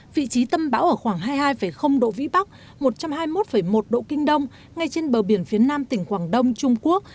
vị trí tâm bão ở khoảng hai mươi hai độ vĩ bắc một trăm hai mươi một một độ kinh đông ngay trên bờ biển phía nam tỉnh quảng đông trung quốc